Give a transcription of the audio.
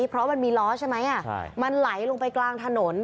เพราะมันมีล้อใช่ไหมมันไหลลงไปกลางถนน